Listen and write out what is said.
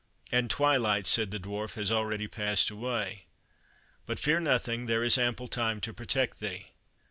"And twilight," said the Dwarf, "has already passed away. But fear nothing, there is ample time to protect thee."